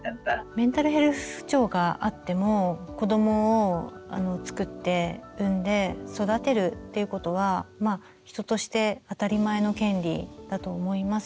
メンタルヘルス不調があっても子どもをつくって産んで育てるっていうことは人として当たり前の権利だと思います。